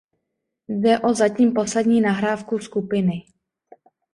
Jde o zatím poslední nahrávku skupiny.